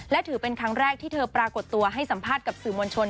และถือเป็นครั้งแรกที่เธอปรากฏตัวให้สัมภาษณ์กับสื่อมวลชน